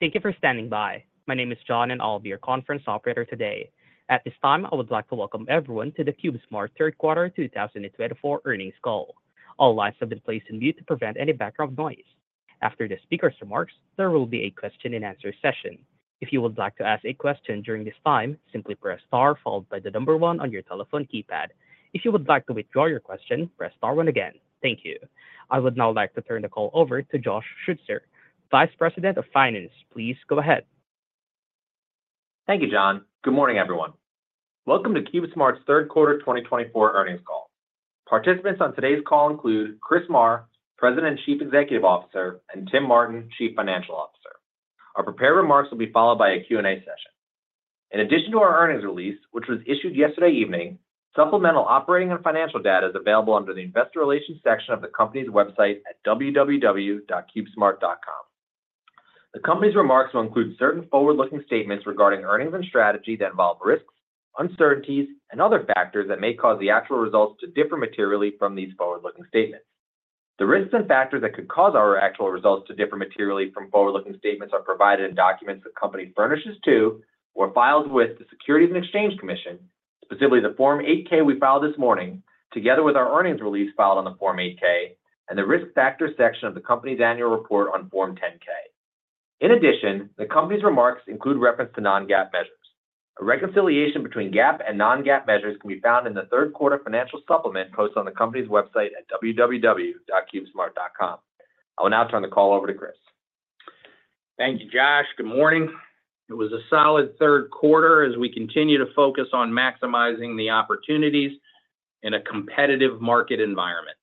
Thank you for standing by. My name is John, and I'll be your conference operator today. At this time, I would like to welcome everyone to the CubeSmart Third Quarter 2024 Earnings Call. All lines have been placed on mute to prevent any background noise. After the speaker's remarks, there will be a question-and-answer session. If you would like to ask a question during this time, simply press star followed by the number one on your telephone keypad. If you would like to withdraw your question, press star one again. Thank you. I would now like to turn the call over to Josh Schutzer, Vice President of Finance. Please go ahead. Thank you, John. Good morning, everyone. Welcome to CubeSmart's third quarter 2024 earnings call. Participants on today's call include Chris Marr, President and Chief Executive Officer, and Tim Martin, Chief Financial Officer. Our prepared remarks will be followed by a Q&A session. In addition to our earnings release, which was issued yesterday evening, supplemental operating and financial data is available under the Investor Relations section of the company's website at www.cubesmart.com. The company's remarks will include certain forward-looking statements regarding earnings and strategy that involve risks, uncertainties, and other factors that may cause the actual results to differ materially from these forward-looking statements. The risks and factors that could cause our actual results to differ materially from forward-looking statements are provided in documents the company furnishes to or files with the Securities and Exchange Commission, specifically the Form 8-K we filed this morning, together with our earnings release filed on the Form 8-K and the risk factors section of the company's annual report on Form 10-K. In addition, the company's remarks include reference to non-GAAP measures. A reconciliation between GAAP and non-GAAP measures can be found in the third financial supplement posted on the company's website at www.cubesmart.com. I will now turn the call over to Chris. Thank you, Josh. Good morning. It was a solid third quarter as we continue to focus on maximizing the opportunities in a competitive market environment.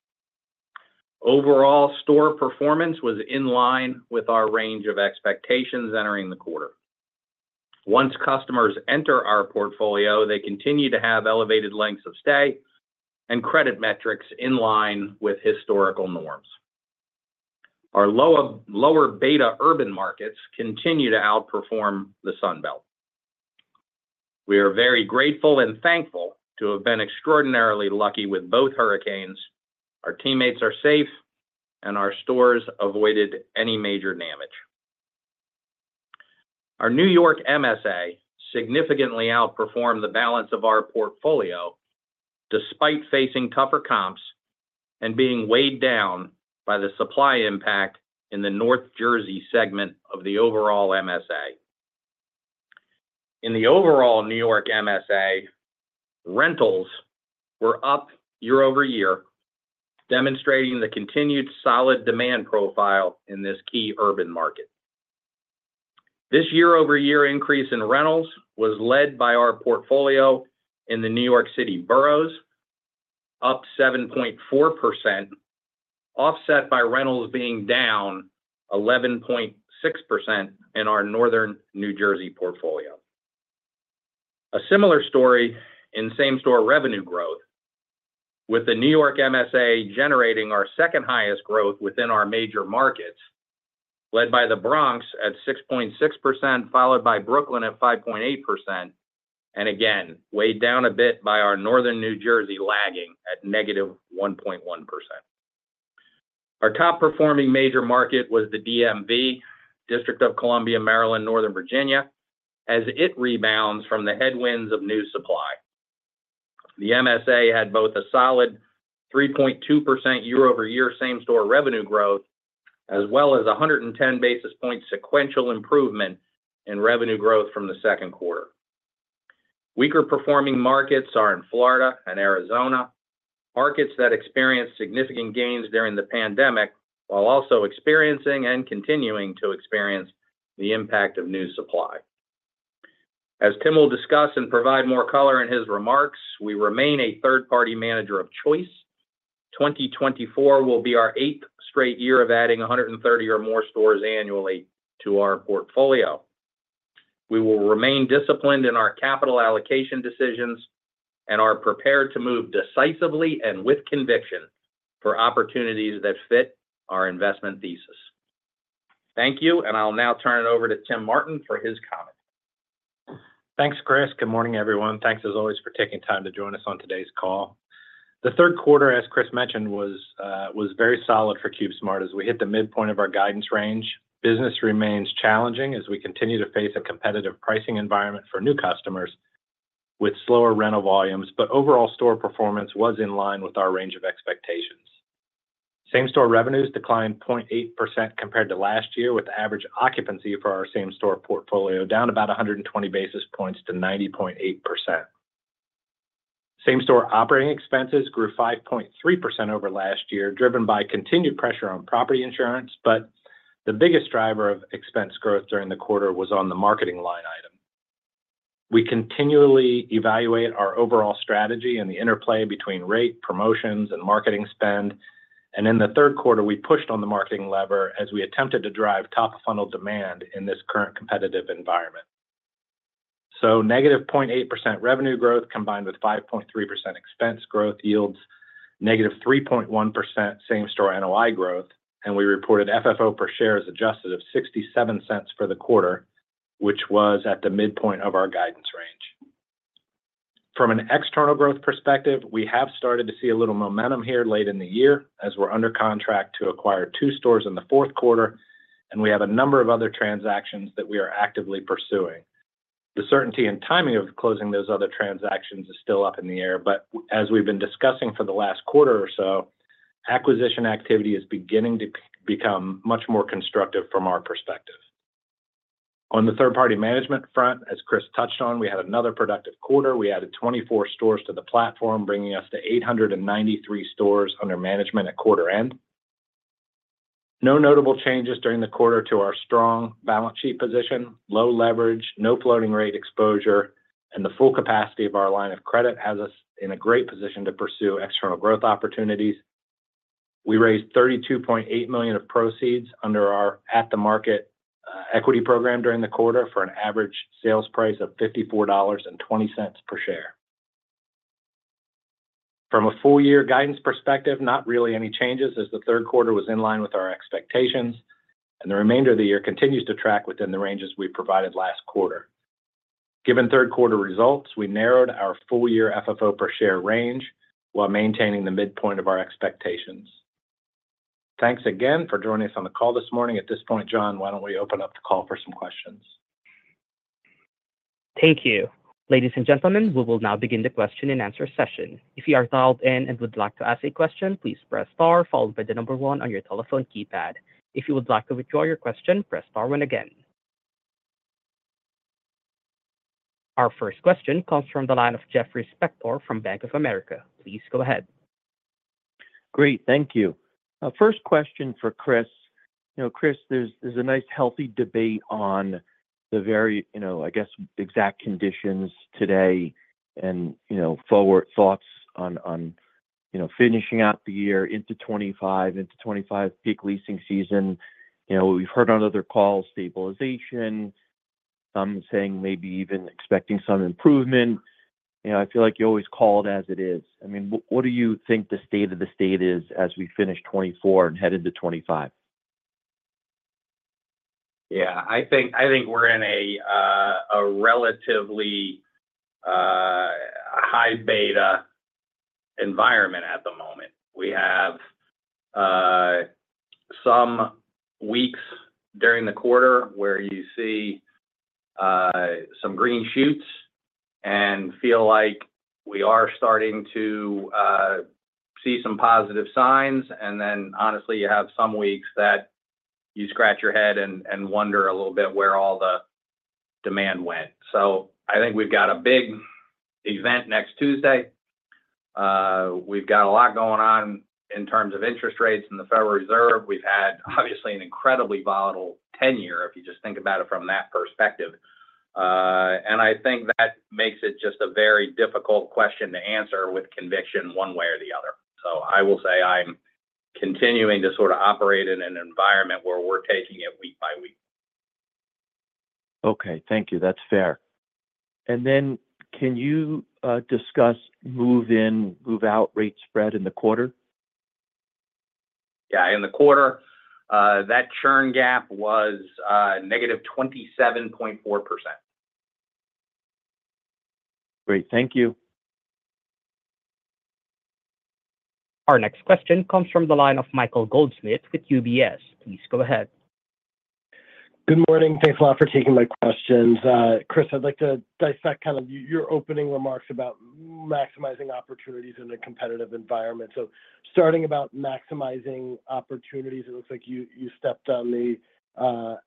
Overall store performance was in line with our range of expectations entering the quarter. Once customers enter our portfolio, they continue to have elevated lengths of stay and credit metrics in line with historical norms. Our lower beta urban markets continue to outperform the Sun Belt. We are very grateful and thankful to have been extraordinarily lucky with both hurricanes. Our teammates are safe, and our stores avoided any major damage. Our New York MSA significantly outperformed the balance of our portfolio despite facing tougher comps and being weighed down by the supply impact in the North Jersey segment of the overall MSA. In the overall New York MSA, rentals were up year over year, demonstrating the continued solid demand profile in this key urban market. This year-over-year increase in rentals was led by our portfolio in the New York City boroughs, up 7.4%, offset by rentals being down 11.6% in our Northern New Jersey portfolio. A similar story in same-store revenue growth, with the New York MSA generating our second-highest growth within our major markets, led by the Bronx at 6.6%, followed by Brooklyn at 5.8%, and again weighed down a bit by our Northern New Jersey lagging at -1.1%. Our top-performing major market was the DMV, District of Columbia, Maryland, Northern Virginia, as it rebounds from the headwinds of new supply. The MSA had both a solid 3.2% year-over-year same-store revenue growth as well as 110 basis points sequential improvement in revenue growth from the second quarter. Weaker-performing markets are in Florida and Arizona, markets that experienced significant gains during the pandemic while also experiencing and continuing to experience the impact of new supply. As Tim will discuss and provide more color in his remarks, we remain a third-party manager of choice. 2024 will be our eighth straight year of adding 130 or more stores annually to our portfolio. We will remain disciplined in our capital allocation decisions and are prepared to move decisively and with conviction for opportunities that fit our investment thesis. Thank you, and I'll now turn it over to Tim Martin for his comment. Thanks, Chris. Good morning, everyone. Thanks, as always, for taking time to join us on today's call. The third quarter, as Chris mentioned, was very solid for CubeSmart as we hit the midpoint of our guidance range. Business remains challenging as we continue to face a competitive pricing environment for new customers with slower rental volumes, but overall store performance was in line with our range of expectations. Same-store revenues declined 0.8% compared to last year, with the average occupancy for our same-store portfolio down about 120 basis points to 90.8%. Same-store operating expenses grew 5.3% over last year, driven by continued pressure on property insurance, but the biggest driver of expense growth during the quarter was on the marketing line item. We continually evaluate our overall strategy and the interplay between rate, promotions, and marketing spend, and in the third quarter, we pushed on the marketing lever as we attempted to drive top-of-funnel demand in this current competitive environment. So, -0.8% revenue growth combined with 5.3% expense growth yields -3.1% same-store NOI growth, and we reported FFO per share as adjusted of $0.67 for the quarter, which was at the midpoint of our guidance range. From an external growth perspective, we have started to see a little momentum here late in the year as we're under contract to acquire two stores in the fourth quarter, and we have a number of other transactions that we are actively pursuing. The certainty and timing of closing those other transactions is still up in the air, but as we've been discussing for the last quarter or so, acquisition activity is beginning to become much more constructive from our perspective. On the third-party management front, as Chris touched on, we had another productive quarter. We added 24 stores to the platform, bringing us to 893 stores under management at quarter end. No notable changes during the quarter to our strong balance sheet position, low leverage, no floating rate exposure, and the full capacity of our line of credit has us in a great position to pursue external growth opportunities. We raised $32.8 million of proceeds under our at-the-market equity program during the quarter for an average sales price of $54.20 per share. From a full-year guidance perspective, not really any changes as the third quarter was in line with our expectations, and the remainder of the year continues to track within the ranges we provided last quarter. Given third quarter results, we narrowed our full-year FFO per share range while maintaining the midpoint of our expectations. Thanks again for joining us on the call this morning. At this point, John, why don't we open up the call for some questions? Thank you. Ladies and gentlemen, we will now begin the question-and-answer session. If you are dialed in and would like to ask a question, please press star followed by the number one on your telephone keypad. If you would like to withdraw your question, press star one again. Our first question comes from the line of Jeffrey Spector from Bank of America. Please go ahead. Great. Thank you. First question for Chris. Chris, there's a nice healthy debate on the very, I guess, exact conditions today and forward thoughts on finishing out the year into 2025, into 2025 peak leasing season. We've heard on other calls stabilization, some saying maybe even expecting some improvement. I feel like you always call it as it is. I mean, what do you think the state of the state is as we finish 2024 and head into 2025? Yeah. I think we're in a relatively high beta environment at the moment. We have some weeks during the quarter where you see some green shoots and feel like we are starting to see some positive signs, and then, honestly, you have some weeks that you scratch your head and wonder a little bit where all the demand went. So I think we've got a big event next Tuesday. We've got a lot going on in terms of interest rates and the Federal Reserve. We've had, obviously, an incredibly volatile 10-year if you just think about it from that perspective. And I think that makes it just a very difficult question to answer with conviction one way or the other. So I will say I'm continuing to sort of operate in an environment where we're taking it week by week. Okay. Thank you. That's fair. And then can you discuss move-in, move-out rate spread in the quarter? Yeah. In the quarter, that churn gap was -27.4%. Great. Thank you. Our next question comes from the line of Michael Goldsmith with UBS. Please go ahead. Good morning. Thanks a lot for taking my questions. Chris, I'd like to dissect kind of your opening remarks about maximizing opportunities in a competitive environment. So starting about maximizing opportunities, it looks like you stepped on the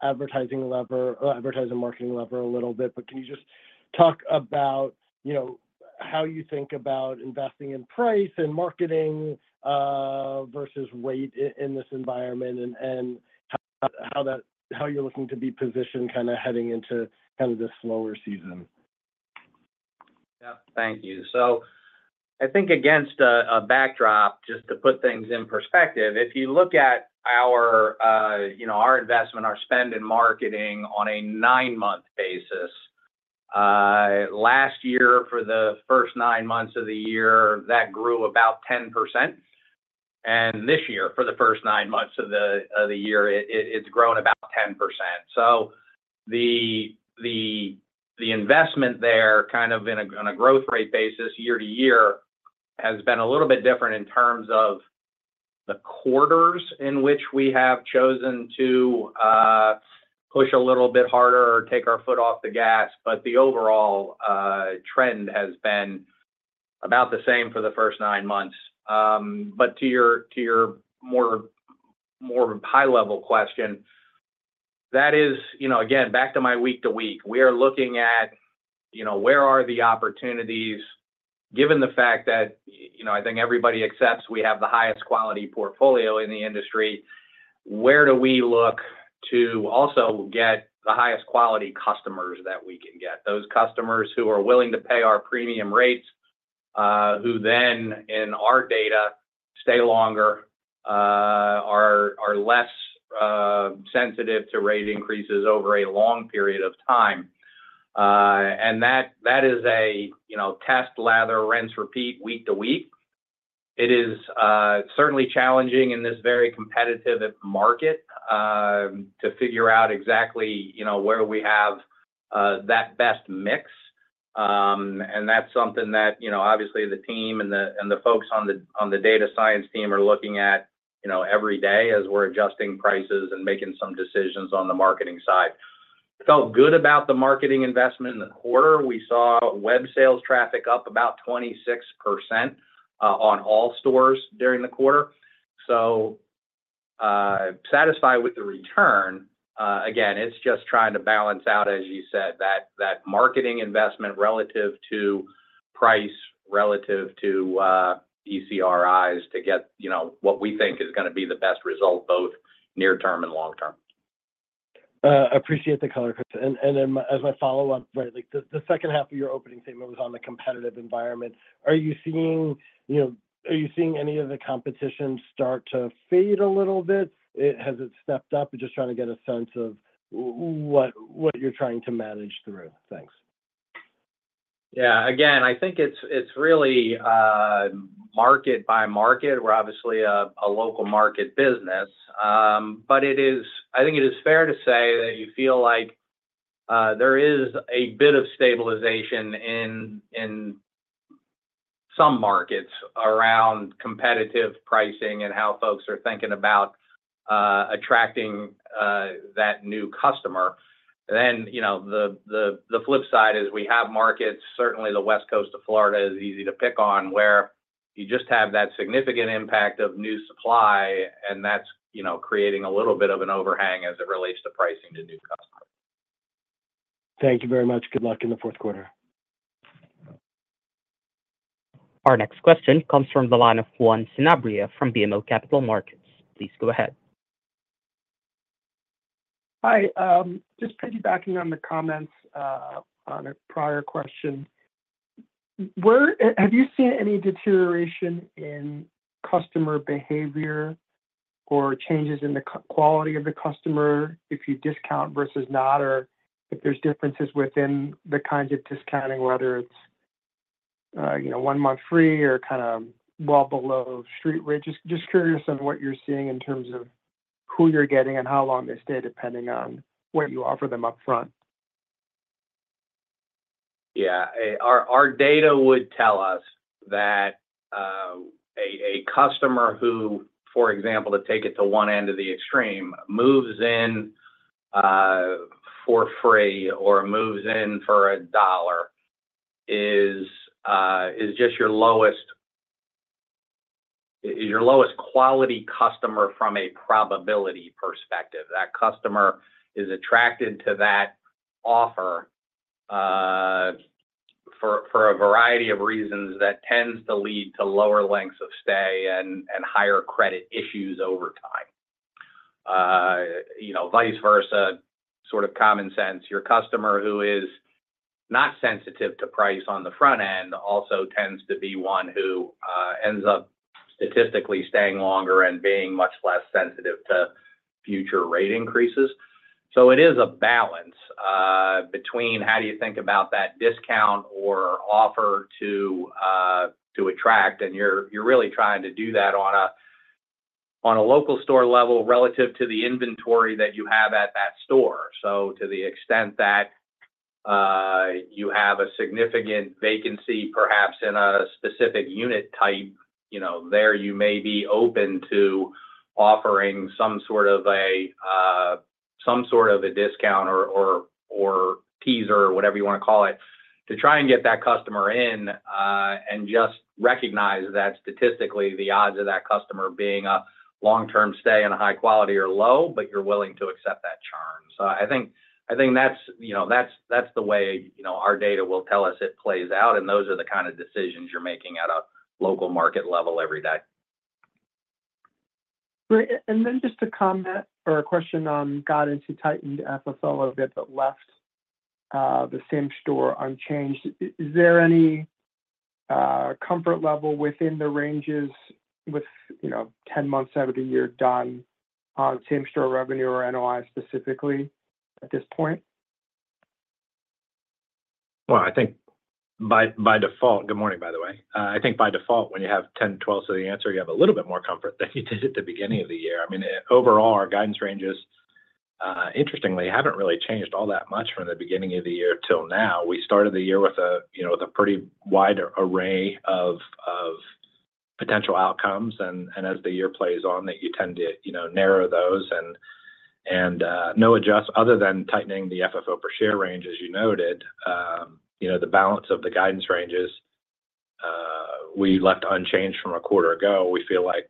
advertising lever or advertising marketing lever a little bit, but can you just talk about how you think about investing in price and marketing versus rate in this environment and how you're looking to be positioned kind of heading into kind of this slower season? Yeah. Thank you, so I think against a backdrop, just to put things in perspective, if you look at our investment, our spend in marketing on a nine-month basis, last year for the first nine months of the year, that grew about 10%. And this year for the first nine months of the year, it's grown about 10%, so the investment there kind of on a growth rate basis year to year has been a little bit different in terms of the quarters in which we have chosen to push a little bit harder or take our foot off the gas, but the overall trend has been about the same for the first nine months. But to your more high-level question, that is, again, back to my week-to-week, we are looking at where are the opportunities, given the fact that I think everybody accepts we have the highest quality portfolio in the industry, where do we look to also get the highest quality customers that we can get, those customers who are willing to pay our premium rates, who then, in our data, stay longer, are less sensitive to rate increases over a long period of time. And that is a test, lather, rinse, repeat week to week. It is certainly challenging in this very competitive market to figure out exactly where we have that best mix. And that's something that, obviously, the team and the folks on the data science team are looking at every day as we're adjusting prices and making some decisions on the marketing side. Felt good about the marketing investment in the quarter. We saw web sales traffic up about 26% on all stores during the quarter. So satisfied with the return. Again, it's just trying to balance out, as you said, that marketing investment relative to price, relative to ECRIs to get what we think is going to be the best result, both near-term and long-term. Appreciate the color, Chris. And then as my follow-up, right, the second half of your opening statement was on the competitive environment. Are you seeing any of the competition start to fade a little bit? Has it stepped up? Just trying to get a sense of what you're trying to manage through. Thanks. Yeah. Again, I think it's really market by market. We're obviously a local market business, but I think it is fair to say that you feel like there is a bit of stabilization in some markets around competitive pricing and how folks are thinking about attracting that new customer. Then the flip side is we have markets, certainly the West Coast of Florida is easy to pick on where you just have that significant impact of new supply, and that's creating a little bit of an overhang as it relates to pricing to new customers. Thank you very much. Good luck in the fourth quarter. Our next question comes from the line of Juan Sanabria from BMO Capital Markets. Please go ahead. Hi. Just piggybacking on the comments on a prior question, have you seen any deterioration in customer behavior or changes in the quality of the customer if you discount versus not, or if there's differences within the kinds of discounting, whether it's one month free or kind of well below street rate? Just curious on what you're seeing in terms of who you're getting and how long they stay depending on what you offer them upfront. Yeah. Our data would tell us that a customer who, for example, to take it to one end of the extreme, moves in for free or moves in for a dollar is just your lowest quality customer from a probability perspective. That customer is attracted to that offer for a variety of reasons that tends to lead to lower lengths of stay and higher credit issues over time. Vice versa, sort of common sense. Your customer who is not sensitive to price on the front end also tends to be one who ends up statistically staying longer and being much less sensitive to future rate increases. So it is a balance between how do you think about that discount or offer to attract, and you're really trying to do that on a local store level relative to the inventory that you have at that store. To the extent that you have a significant vacancy, perhaps in a specific unit type, there you may be open to offering some sort of a discount or teaser or whatever you want to call it to try and get that customer in and just recognize that statistically the odds of that customer being a long-term stay and a high quality are low, but you're willing to accept that churn. I think that's the way our data will tell us it plays out, and those are the kind of decisions you're making at a local market level every day. Then just a comment or a question on guided to tightened FFO a little bit but left the same-store unchanged. Is there any comfort level within the ranges with 10 months out of the year done on same-store revenue or NOI specifically at this point? Well, I think by default, good morning, by the way. I think by default, when you have 10-12 ceiling answer, you have a little bit more comfort than you did at the beginning of the year. I mean, overall, our guidance ranges, interestingly, haven't really changed all that much from the beginning of the year till now. We started the year with a pretty wide array of potential outcomes, and as the year plays on, you tend to narrow those, and no adjustment other than tightening the FFO per share range, as you noted, the balance of the guidance ranges we left unchanged from a quarter ago. We feel like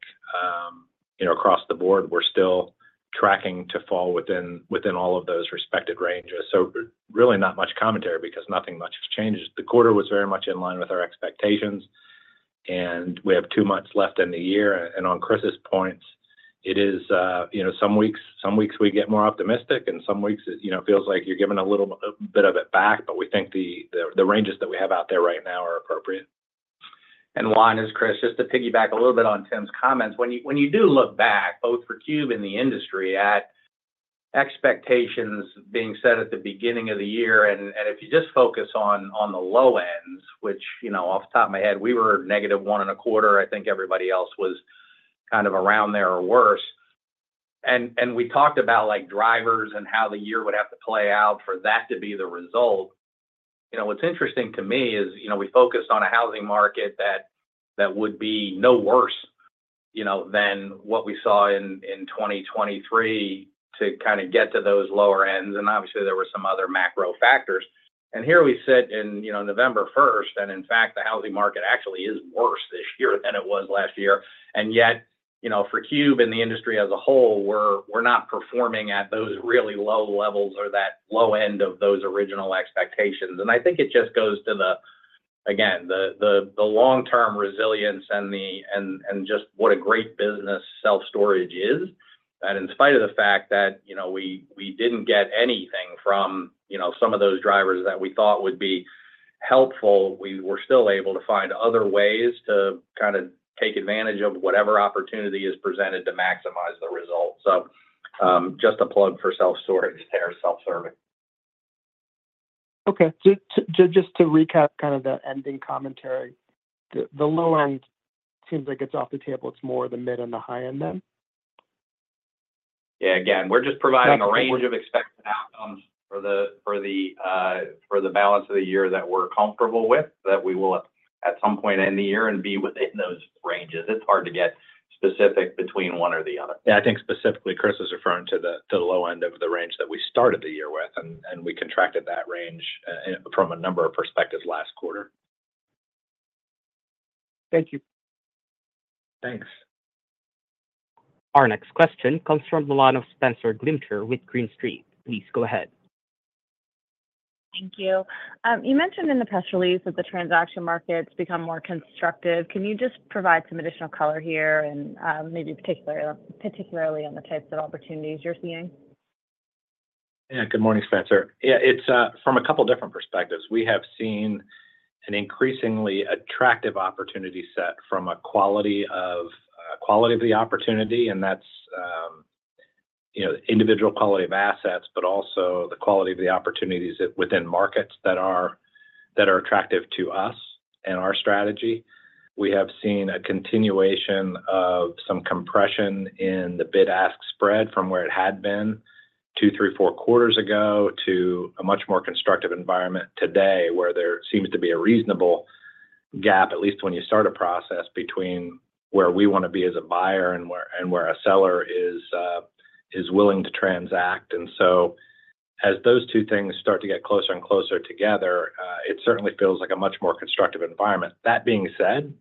across the board, we're still tracking to fall within all of those respective ranges, so really not much commentary because nothing much has changed. The quarter was very much in line with our expectations, and we have two months left in the year, and on Chris's points, it is some weeks we get more optimistic, and some weeks it feels like you're giving a little bit of it back, but we think the ranges that we have out there right now are appropriate. Juan, this is Chris. Just to piggyback a little bit on Tim's comments, when you do look back, both for CubeSmart and the industry, at expectations being set at the beginning of the year, and if you just focus on the low ends, which off the top of my head, we were negative one and a quarter. I think everybody else was kind of around there or worse. We talked about drivers and how the year would have to play out for that to be the result. What's interesting to me is we focused on a housing market that would be no worse than what we saw in 2023 to kind of get to those lower ends. Obviously, there were some other macro factors. Here we sit in November 1st, and in fact, the housing market actually is worse this year than it was last year. And yet for Cube and the industry as a whole, we're not performing at those really low levels or that low end of those original expectations. And I think it just goes to, again, the long-term resilience and just what a great business self-storage is. And in spite of the fact that we didn't get anything from some of those drivers that we thought would be helpful, we were still able to find other ways to kind of take advantage of whatever opportunity is presented to maximize the result. So just a plug for self-storage there, self-serving. Okay. Just to recap kind of the ending commentary, the low end seems like it's off the table. It's more the mid and the high end then? Yeah. Again, we're just providing a range of expected outcomes for the balance of the year that we're comfortable with, that we will at some point in the year be within those ranges. It's hard to get specific between one or the other. Yeah. I think specifically, Chris is referring to the low end of the range that we started the year with, and we contracted that range from a number of perspectives last quarter. Thank you. Thanks. Our next question comes from the line of Spenser Glimcher with Green Street. Please go ahead. Thank you. You mentioned in the press release that the transaction markets become more constructive. Can you just provide some additional color here and maybe particularly on the types of opportunities you're seeing? Yeah. Good morning, Spencer. Yeah. It's from a couple of different perspectives. We have seen an increasingly attractive opportunity set from a quality of the opportunity, and that's individual quality of assets, but also the quality of the opportunities within markets that are attractive to us and our strategy. We have seen a continuation of some compression in the bid-ask spread from where it had been two, three, four quarters ago to a much more constructive environment today where there seems to be a reasonable gap, at least when you start a process, between where we want to be as a buyer and where a seller is willing to transact, and so as those two things start to get closer and closer together, it certainly feels like a much more constructive environment. That being said,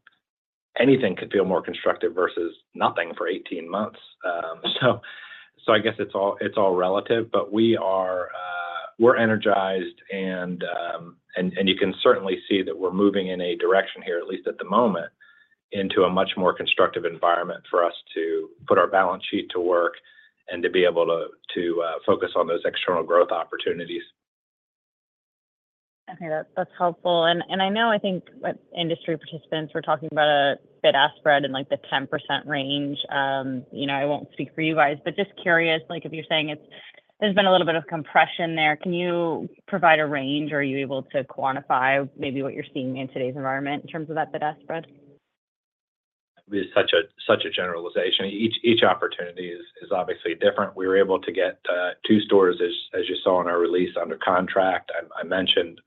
anything could feel more constructive versus nothing for 18 months. I guess it's all relative, but we're energized, and you can certainly see that we're moving in a direction here, at least at the moment, into a much more constructive environment for us to put our balance sheet to work and to be able to focus on those external growth opportunities. Okay. That's helpful. And I know I think industry participants were talking about a bid-ask spread in the 10% range. I won't speak for you guys, but just curious if you're saying there's been a little bit of compression there. Can you provide a range? Are you able to quantify maybe what you're seeing in today's environment in terms of that bid-ask spread? It's such a generalization. Each opportunity is obviously different. We were able to get two stores, as you saw in our release, under contract. I mentioned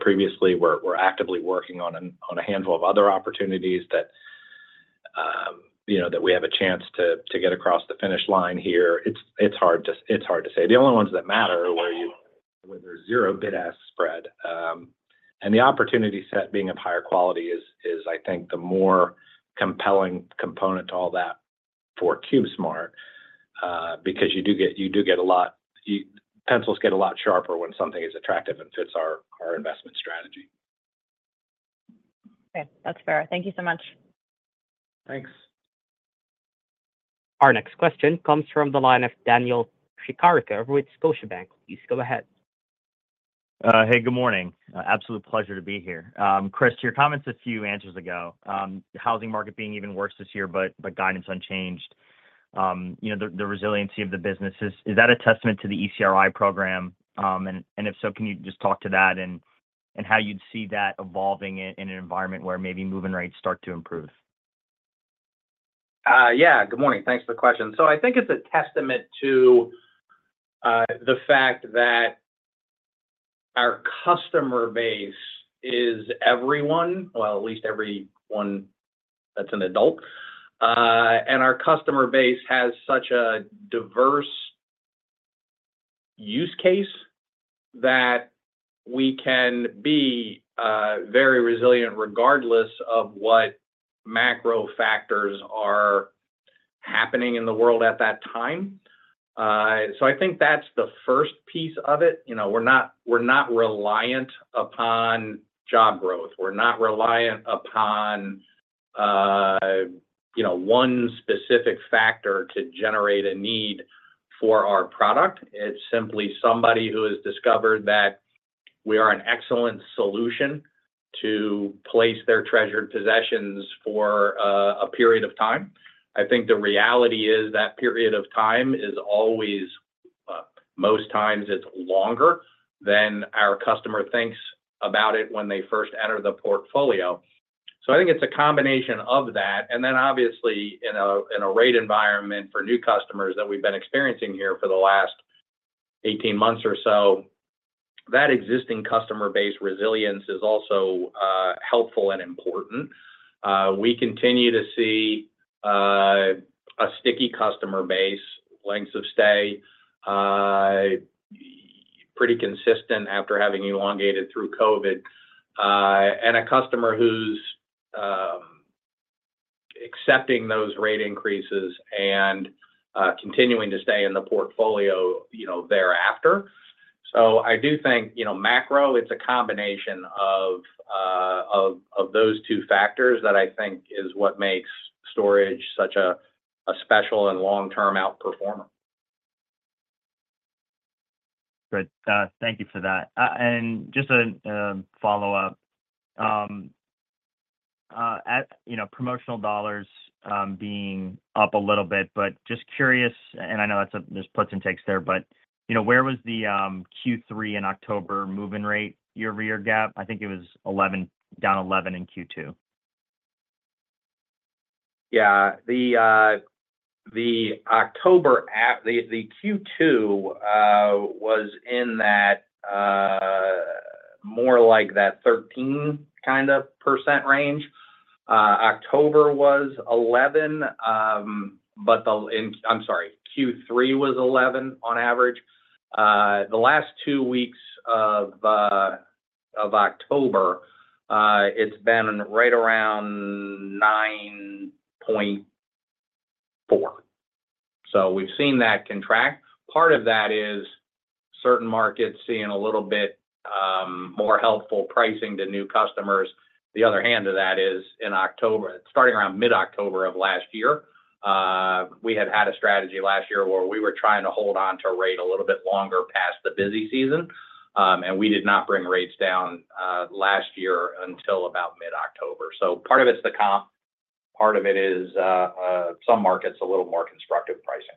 previously we're actively working on a handful of other opportunities that we have a chance to get across the finish line here. It's hard to say. The only ones that matter are where there's zero bid-ask spread. And the opportunity set being of higher quality is, I think, the more compelling component to all that for CubeSmart because you do get a lot, pencils get a lot sharper when something is attractive and fits our investment strategy. Okay. That's fair. Thank you so much. Thanks. Our next question comes from the line of Daniel Tricarico, with Scotiabank. Please go ahead. Hey. Good morning. Absolute pleasure to be here. Chris, to your comments a few answers ago, housing market being even worse this year but guidance unchanged, the resiliency of the business, is that a testament to the ECRI program? And if so, can you just talk to that and how you'd see that evolving in an environment where maybe mortgage rates start to improve? Yeah. Good morning. Thanks for the question, so I think it's a testament to the fact that our customer base is everyone, well, at least everyone that's an adult, and our customer base has such a diverse use case that we can be very resilient regardless of what macro factors are happening in the world at that time, so I think that's the first piece of it. We're not reliant upon job growth. We're not reliant upon one specific factor to generate a need for our product. It's simply somebody who has discovered that we are an excellent solution to place their treasured possessions for a period of time. I think the reality is that period of time is always, most times, it's longer than our customer thinks about it when they first enter the portfolio, so I think it's a combination of that. And then obviously, in a rate environment for new customers that we've been experiencing here for the last 18 months or so, that existing customer base resilience is also helpful and important. We continue to see a sticky customer base, lengths of stay pretty consistent after having elongated through COVID, and a customer who's accepting those rate increases and continuing to stay in the portfolio thereafter. So I do think macro, it's a combination of those two factors that I think is what makes storage such a special and long-term outperformer. Good. Thank you for that. And just a follow-up, promotional dollars being up a little bit, but just curious, and I know this puts you on the spot there, but where was the Q3 in October move-in rate year-over-year gap? I think it was down 11 in Q2. Yeah. The Q2 was in more like that 13% kind of range. October was 11%, but I'm sorry, Q3 was 11% on average. The last two weeks of October, it's been right around 9.4%. So we've seen that contract. Part of that is certain markets seeing a little bit more helpful pricing to new customers. On the other hand of that is in October, starting around mid-October of last year, we had had a strategy last year where we were trying to hold on to rate a little bit longer past the busy season, and we did not bring rates down last year until about mid-October. So part of it's the comp. Part of it is some markets a little more constructive pricing.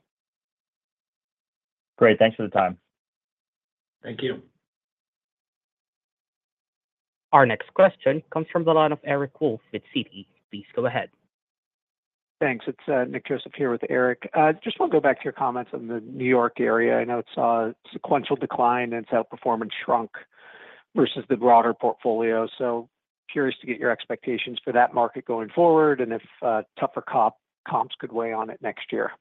Great. Thanks for the time. Thank you. Our next question comes from the line of Eric Wolfe with Citi. Please go ahead. Thanks. It's Nick Joseph here with Eric. Just want to go back to your comments on the New York area. I know it saw a sequential decline in its outperformance shrunk versus the broader portfolio. So curious to get your expectations for that market going forward and if tougher comps could weigh on it next year.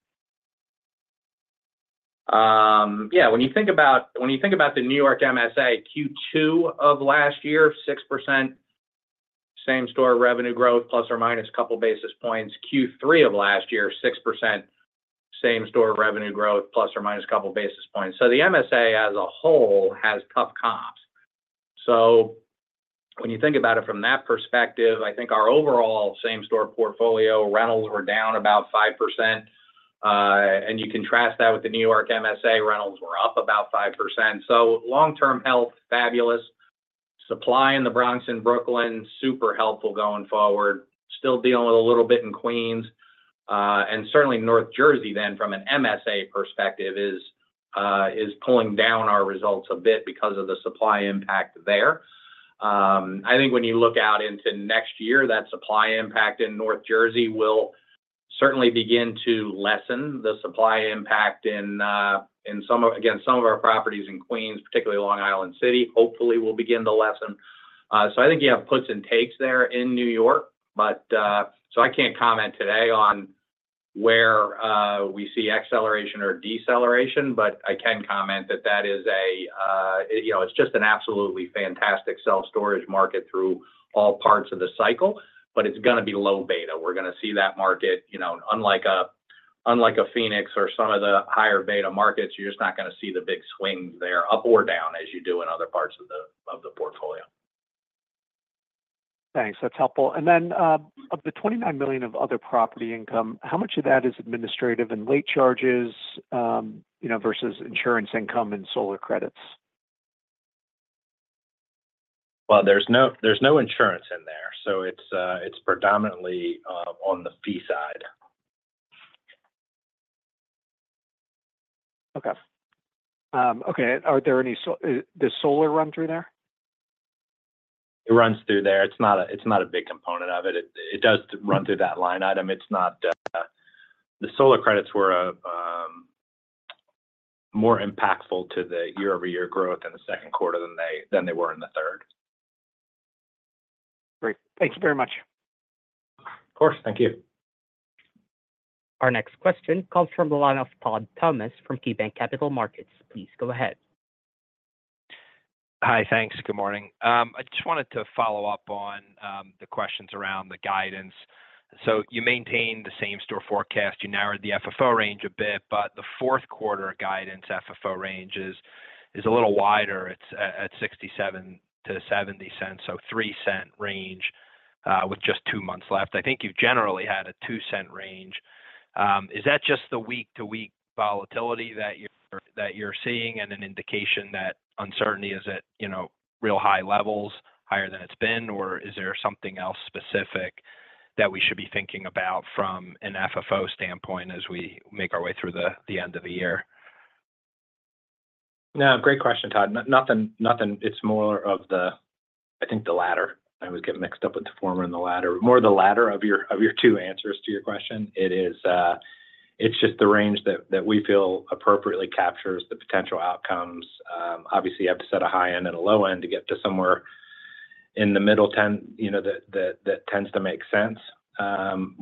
Yeah. When you think about the New York MSA, Q2 of last year, 6% same-store revenue growth plus or minus a couple of basis points. Q3 of last year, 6% same-store revenue growth plus or minus a couple of basis points. So the MSA as a whole has tough comps. When you think about it from that perspective, I think our overall same-store portfolio rentals were down about 5%. You contrast that with the New York MSA, rentals were up about 5%. Long-term health, fabulous. Supply in the Bronx and Brooklyn, super helpful going forward. Still dealing with a little bit in Queens. Certainly Northern New Jersey, from an MSA perspective, is pulling down our results a bit because of the supply impact there. I think when you look out into next year, that supply impact in North Jersey will certainly begin to lessen. The supply impact in, again, some of our properties in Queens, particularly Long Island City, hopefully will begin to lessen. So I think you have puts and takes there in New York. So I can't comment today on where we see acceleration or deceleration, but I can comment that that is, it's just an absolutely fantastic self-storage market through all parts of the cycle, but it's going to be low beta. We're going to see that market, unlike a Phoenix or some of the higher beta markets, you're just not going to see the big swings there up or down as you do in other parts of the portfolio. Thanks. That's helpful. And then of the $29 million of other property income, how much of that is administrative and late charges versus insurance income and solar credits? There's no insurance in there, so it's predominantly on the fee side. Okay. Are there any the solar run through there? It runs through there. It's not a big component of it. It does run through that line item. The solar credits were more impactful to the year-over-year growth in the second quarter than they were in the third. Great. Thank you very much. Of course. Thank you. Our next question comes from the line of Todd Thomas from KeyBanc Capital Markets. Please go ahead. Hi. Thanks. Good morning. I just wanted to follow up on the questions around the guidance. So you maintain the same-store forecast. You narrowed the FFO range a bit, but the fourth quarter guidance FFO range is a little wider. It's at $0.67-$0.70, so $0.03 range with just two months left. I think you've generally had a $0.02 range. Is that just the week-to-week volatility that you're seeing and an indication that uncertainty is at real high levels, higher than it's been, or is there something else specific that we should be thinking about from an FFO standpoint as we make our way through the end of the year? No, great question, Todd. Nothing. It's more of the, I think, the latter. I always get mixed up with the former and the latter. More the latter of your two answers to your question. It's just the range that we feel appropriately captures the potential outcomes. Obviously, you have to set a high end and a low end to get to somewhere in the middle that tends to make sense.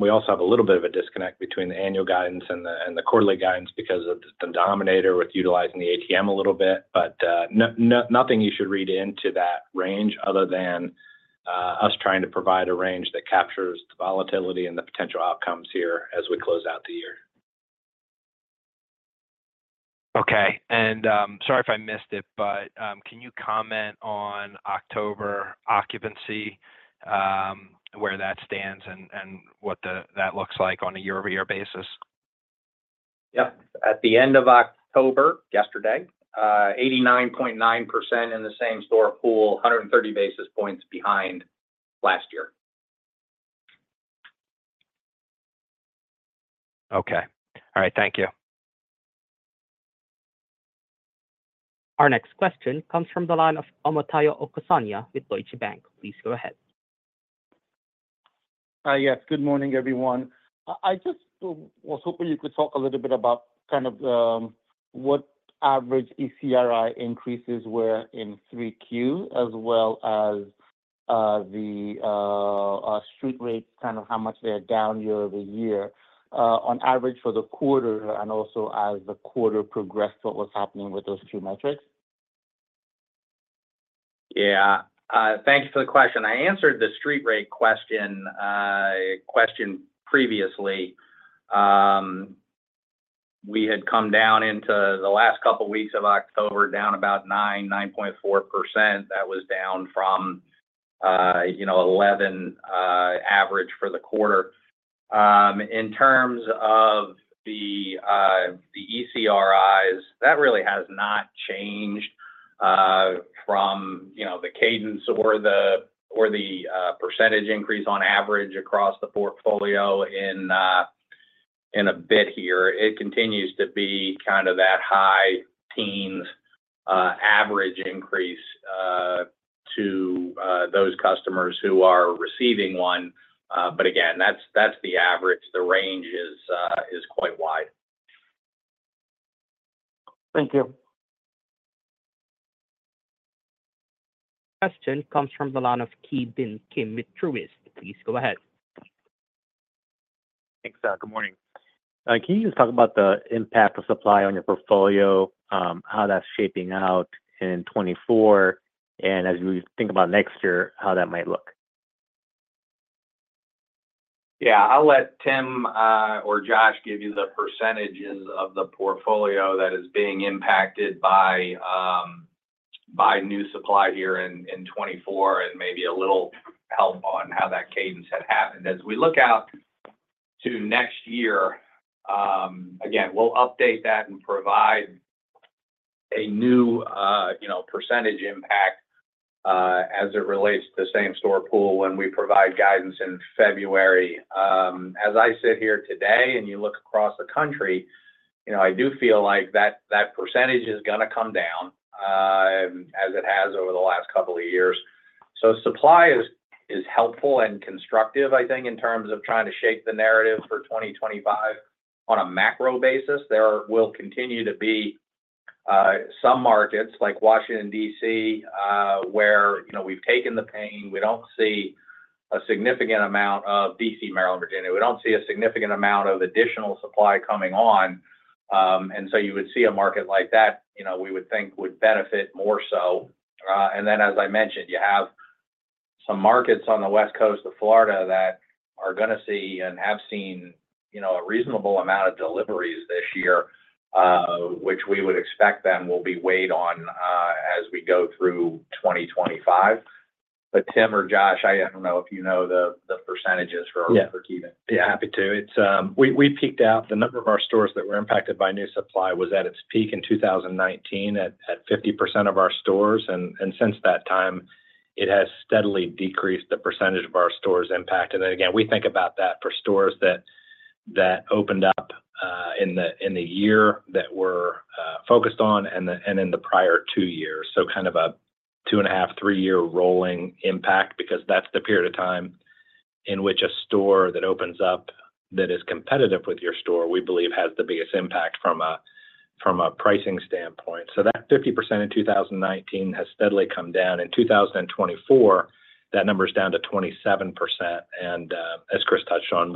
We also have a little bit of a disconnect between the annual guidance and the quarterly guidance because of the denominator with utilizing the ATM a little bit, but nothing you should read into that range other than us trying to provide a range that captures the volatility and the potential outcomes here as we close out the year. Okay. And sorry if I missed it, but can you comment on October occupancy, where that stands and what that looks like on a year-over-year basis? Yep. At the end of October, yesterday, 89.9% in the same-store pool, 130 basis points behind last year. Okay. All right. Thank you. Our next question comes from the line of Omotayo Okusanya with Deutsche Bank. Please go ahead. Yes. Good morning, everyone. I just was hoping you could talk a little bit about kind of what average ECRI increases were in 3Q, as well as the street rates, kind of how much they are down year-over-year on average for the quarter, and also as the quarter progressed, what was happening with those two metrics? Yeah. Thank you for the question. I answered the street rate question previously. We had come down into the last couple of weeks of October down about 9-9.4%. That was down from 11% average for the quarter. In terms of the ECRIs, that really has not changed from the cadence or the percentage increase on average across the portfolio in a bit here. It continues to be kind of that high teens average increase to those customers who are receiving one. But again, that's the average. The range is quite wide. Thank you. Question comes from the line of Ki Bin Kim with Truist. Please go ahead. Thanks. Good morning. Can you just talk about the impact of supply on your portfolio, how that's shaping out in 2024, and as we think about next year, how that might look? Yeah. I'll let Tim or Josh give you the percentages of the portfolio that is being impacted by new supply here in 2024 and maybe a little help on how that cadence had happened. As we look out to next year, again, we'll update that and provide a new percentage impact as it relates to the same-store pool when we provide guidance in February. As I sit here today and you look across the country, I do feel like that percentage is going to come down as it has over the last couple of years. So supply is helpful and constructive, I think, in terms of trying to shape the narrative for 2025 on a macro basis. There will continue to be some markets like Washington, D.C., where we've taken the pain. We don't see a significant amount of D.C., Maryland, Virginia. We don't see a significant amount of additional supply coming on. And so you would see a market like that, we would think, would benefit more so. And then, as I mentioned, you have some markets on the West Coast of Florida that are going to see and have seen a reasonable amount of deliveries this year, which we would expect then will be weighed on as we go through 2025. But Tim or Josh, I don't know if you know the percentages. Yeah. Yeah. Happy to. We picked out the number of our stores that were impacted by new supply was at its peak in 2019 at 50% of our stores. And since that time, it has steadily decreased the percentage of our stores impacted. And again, we think about that for stores that opened up in the year that we're focused on and in the prior two years. So kind of a two-and-a-half, three-year rolling impact because that's the period of time in which a store that opens up that is competitive with your store, we believe, has the biggest impact from a pricing standpoint. So that 50% in 2019 has steadily come down. In 2024, that number is down to 27%. And as Chris touched on,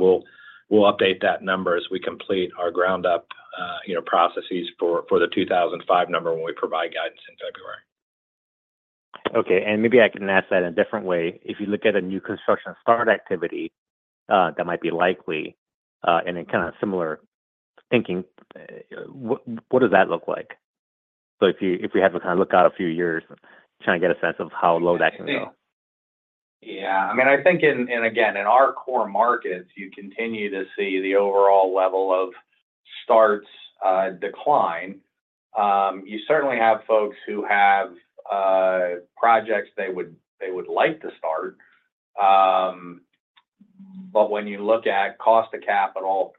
we'll update that number as we complete our ground-up processes for the 2025 number when we provide guidance in February. Okay. And maybe I can ask that in a different way. If you look at a new construction start activity that might be likely and in kind of similar thinking, what does that look like? So if we had to kind of look out a few years, trying to get a sense of how low that can go. Yeah. I mean, I think, and again, in our core markets, you continue to see the overall level of starts decline. You certainly have folks who have projects they would like to start. But when you look at cost of capital,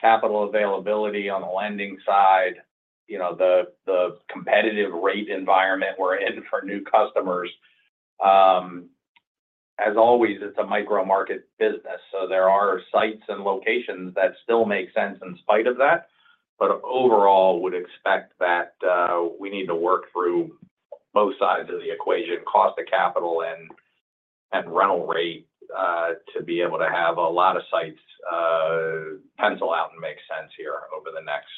capital availability on the lending side, the competitive rate environment we're in for new customers, as always, it's a micro-market business. So there are sites and locations that still make sense in spite of that. But overall, I would expect that we need to work through both sides of the equation, cost of capital and rental rate, to be able to have a lot of sites pencil out and make sense here over the next,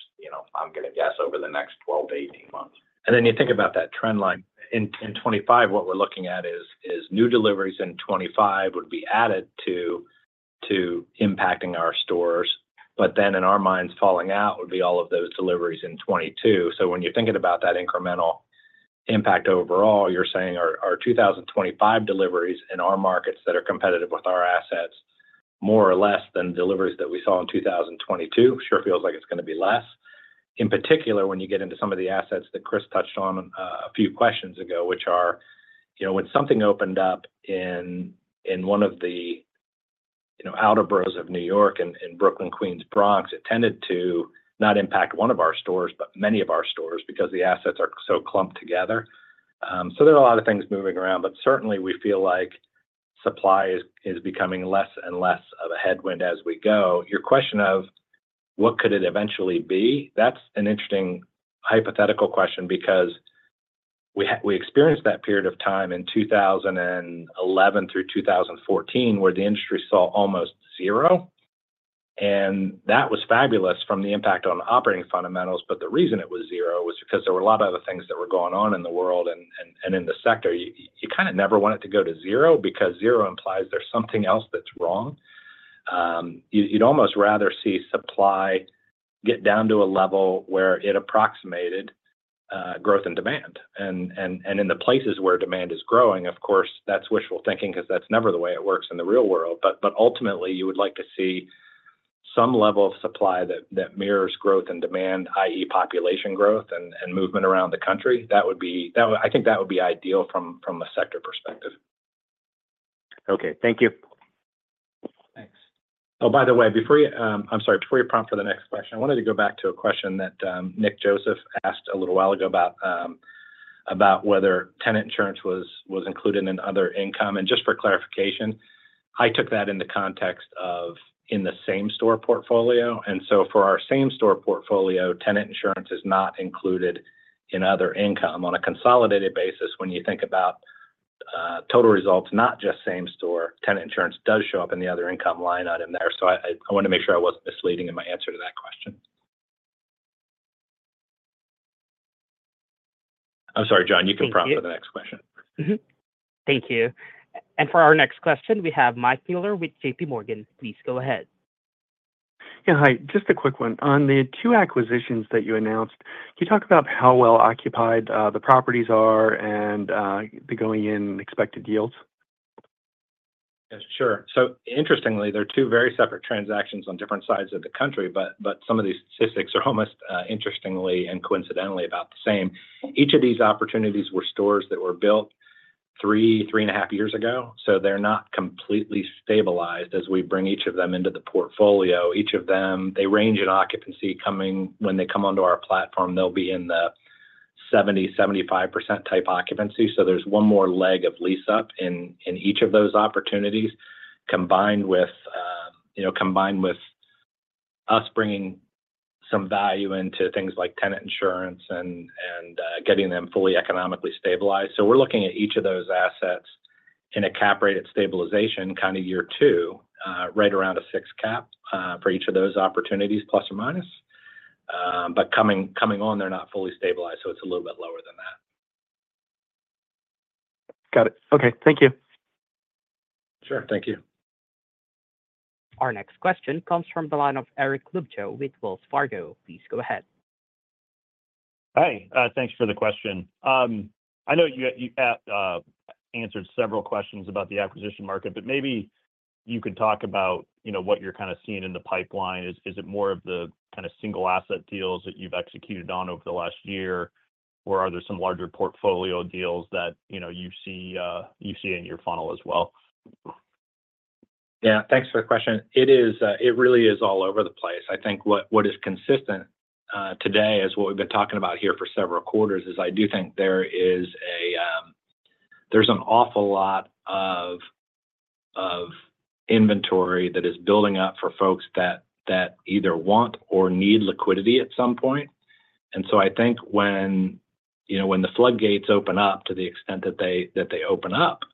I'm going to guess, over the next 12-18 months. Then you think about that trend line. In 2025, what we're looking at is new deliveries in 2025 would be added to impacting our stores. But then in our minds, falling out would be all of those deliveries in 2022. So when you're thinking about that incremental impact overall, you're saying our 2025 deliveries in our markets that are competitive with our assets more or less than deliveries that we saw in 2022, sure feels like it's going to be less. In particular, when you get into some of the assets that Chris touched on a few questions ago, which are when something opened up in one of the outer boroughs of New York in Brooklyn, Queens, Bronx, it tended to not impact one of our stores, but many of our stores because the assets are so clumped together. There are a lot of things moving around, but certainly, we feel like supply is becoming less and less of a headwind as we go. Your question of what could it eventually be, that's an interesting hypothetical question because we experienced that period of time in 2011 through 2014 where the industry saw almost zero. That was fabulous from the impact on operating fundamentals. The reason it was zero was because there were a lot of other things that were going on in the world and in the sector. You kind of never want it to go to zero because zero implies there's something else that's wrong. You'd almost rather see supply get down to a level where it approximated growth and demand. In the places where demand is growing, of course, that's wishful thinking because that's never the way it works in the real world. But ultimately, you would like to see some level of supply that mirrors growth and demand, i.e., population growth and movement around the country. I think that would be ideal from a sector perspective. Okay. Thank you. Thanks. Oh, by the way, before you, I'm sorry. Before you prompt for the next question, I wanted to go back to a question that Nick Joseph asked a little while ago about whether tenant insurance was included in other income, and just for clarification, I took that in the context of in the same-store portfolio, and so for our same-store portfolio, tenant insurance is not included in other income on a consolidated basis when you think about total results, not just same-store. Tenant insurance does show up in the other income line item there, so I wanted to make sure I wasn't misleading in my answer to that question. I'm sorry, John. You can prompt for the next question. Thank you. And for our next question, we have Michael Mueller with JPMorgan. Please go ahead. Yeah. Hi. Just a quick one. On the two acquisitions that you announced, can you talk about how well-occupied the properties are and the going-in expected yields? Yes. Sure. So interestingly, there are two very separate transactions on different sides of the country, but some of these statistics are almost interestingly and coincidentally about the same. Each of these opportunities were stores that were built three, three and a half years ago. So they're not completely stabilized as we bring each of them into the portfolio. Each of them, they range in occupancy coming when they come onto our platform, they'll be in the 70%-75% type occupancy. So there's one more leg of lease-up in each of those opportunities combined with us bringing some value into things like tenant insurance and getting them fully economically stabilized. So we're looking at each of those assets in a cap-rate stabilization kind of year two, right around a six cap for each of those opportunities, plus or minus. But coming on, they're not fully stabilized, so it's a little bit lower than that. Got it. Okay. Thank you. Sure. Thank you. Our next question comes from the line of Eric Luebchow with Wells Fargo. Please go ahead. Hi. Thanks for the question. I know you answered several questions about the acquisition market, but maybe you could talk about what you're kind of seeing in the pipeline. Is it more of the kind of single-asset deals that you've executed on over the last year, or are there some larger portfolio deals that you see in your funnel as well? Yeah. Thanks for the question. It really is all over the place. I think what is consistent today is what we've been talking about here for several quarters. I do think there's an awful lot of inventory that is building up for folks that either want or need liquidity at some point. And so I think when the floodgates open up to the extent that they open up,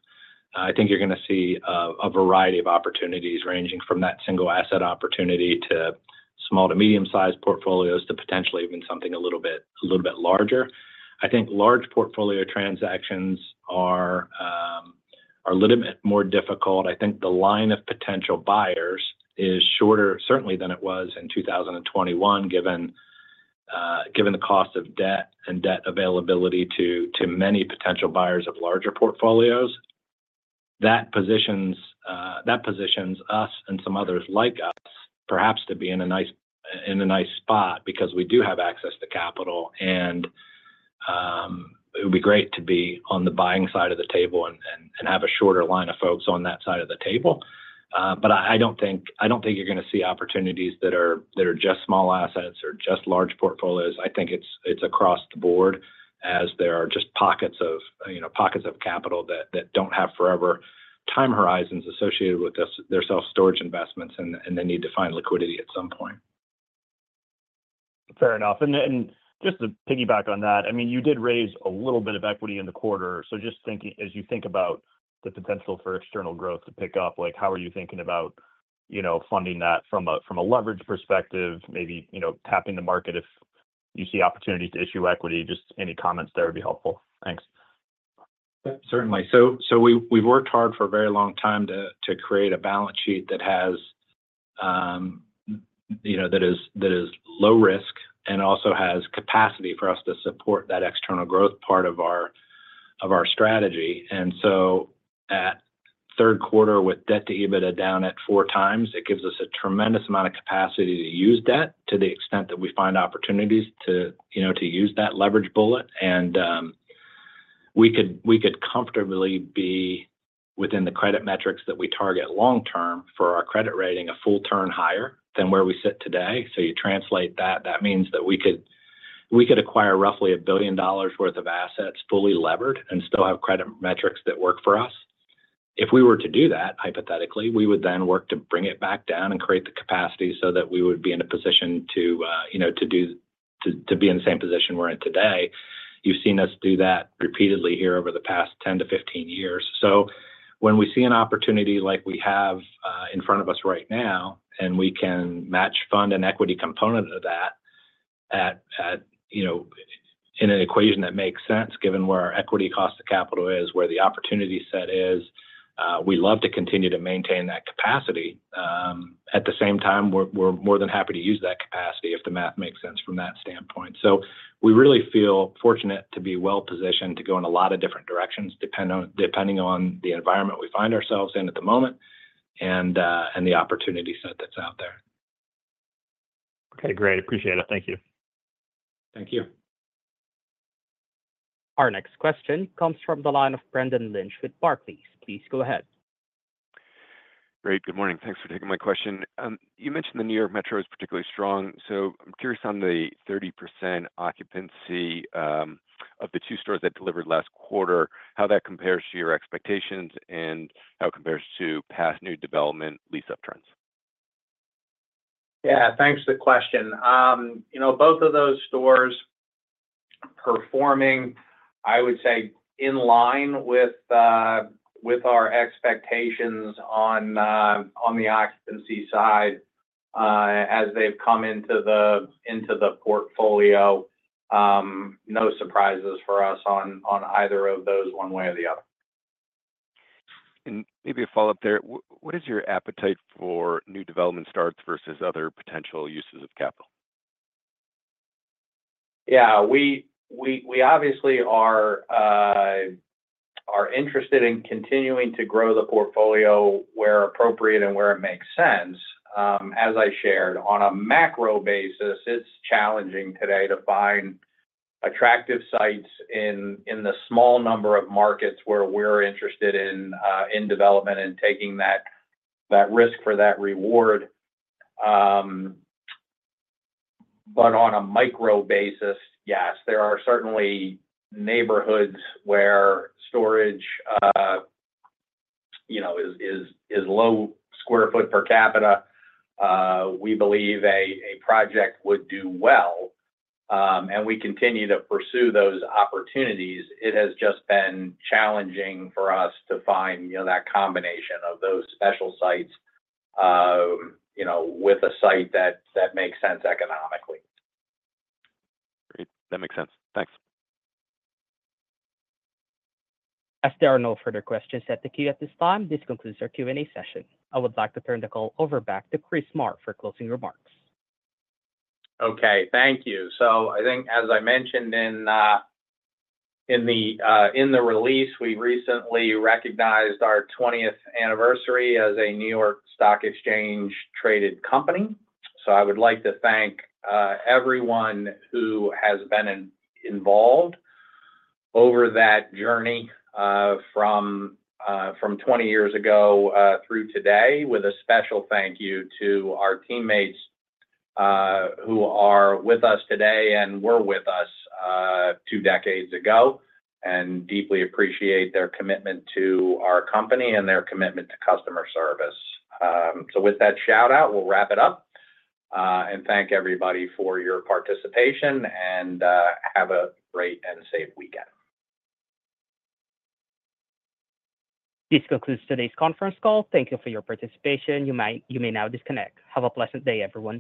I think you're going to see a variety of opportunities ranging from that single-asset opportunity to small to medium-sized portfolios to potentially even something a little bit larger. I think large portfolio transactions are a little bit more difficult. I think the line of potential buyers is shorter, certainly, than it was in 2021, given the cost of debt and debt availability to many potential buyers of larger portfolios. That positions us and some others like us, perhaps, to be in a nice spot because we do have access to capital. And it would be great to be on the buying side of the table and have a shorter line of folks on that side of the table. But I don't think you're going to see opportunities that are just small assets or just large portfolios. I think it's across the board as there are just pockets of capital that don't have forever time horizons associated with their self-storage investments, and they need to find liquidity at some point. Fair enough. And just to piggyback on that, I mean, you did raise a little bit of equity in the quarter. So just as you think about the potential for external growth to pick up, how are you thinking about funding that from a leverage perspective, maybe tapping the market if you see opportunities to issue equity? Just any comments there would be helpful. Thanks. Certainly. So we've worked hard for a very long time to create a balance sheet that is low risk and also has capacity for us to support that external growth part of our strategy. And so at third quarter, with debt-to-EBITDA down at 4x, it gives us a tremendous amount of capacity to use debt to the extent that we find opportunities to use that leverage bullet. And we could comfortably be within the credit metrics that we target long-term for our credit rating a full turn higher than where we sit today. So you translate that, that means that we could acquire roughly $1 billion worth of assets fully levered and still have credit metrics that work for us. If we were to do that, hypothetically, we would then work to bring it back down and create the capacity so that we would be in a position to do to be in the same position we're in today. You've seen us do that repeatedly here over the past 10 to 15 years. So when we see an opportunity like we have in front of us right now, and we can match fund and equity component of that in an equation that makes sense given where our equity cost of capital is, where the opportunity set is, we love to continue to maintain that capacity. At the same time, we're more than happy to use that capacity if the math makes sense from that standpoint. We really feel fortunate to be well-positioned to go in a lot of different directions depending on the environment we find ourselves in at the moment and the opportunity set that's out there. Okay. Great. Appreciate it. Thank you. Thank you. Our next question comes from the line of Brendan Lynch with Barclays. Please go ahead. Great. Good morning. Thanks for taking my question. You mentioned the New York Metro is particularly strong. So I'm curious on the 30% occupancy of the two stores that delivered last quarter, how that compares to your expectations and how it compares to past new development lease-up trends? Yeah. Thanks for the question. Both of those stores performing, I would say, in line with our expectations on the occupancy side as they've come into the portfolio. No surprises for us on either of those one way or the other. Maybe a follow-up there. What is your appetite for new development starts versus other potential uses of capital? Yeah. We obviously are interested in continuing to grow the portfolio where appropriate and where it makes sense. As I shared, on a macro basis, it's challenging today to find attractive sites in the small number of markets where we're interested in development and taking that risk for that reward. But on a micro basis, yes. There are certainly neighborhoods where storage is low square foot per capita. We believe a project would do well. And we continue to pursue those opportunities. It has just been challenging for us to find that combination of those special sites with a site that makes sense economically. Great. That makes sense. Thanks. As there are no further questions in the queue at this time, this concludes our Q&A session. I would like to turn the call back over to Chris Marr for closing remarks. Okay. Thank you. So I think, as I mentioned in the release, we recently recognized our 20th anniversary as a New York Stock Exchange-traded company. So I would like to thank everyone who has been involved over that journey from 20 years ago through today with a special thank you to our teammates who are with us today and were with us two decades ago and deeply appreciate their commitment to our company and their commitment to customer service. So with that shout-out, we'll wrap it up and thank everybody for your participation and have a great and safe weekend. This concludes today's conference call. Thank you for your participation. You may now disconnect. Have a pleasant day, everyone.